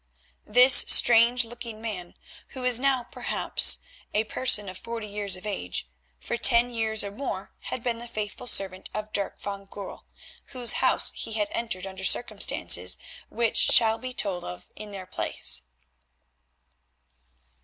This strange looking man, who was now perhaps a person of forty years of age, for ten years or more had been the faithful servant of Dirk van Goorl, whose house he had entered under circumstances which shall be told of in their place.